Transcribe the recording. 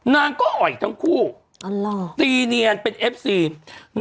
นางก็อ่อยทั้งคู่ตีเนียนเป็นเอฟซี